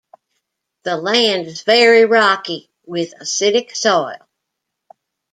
The land is very rocky with acidic soil.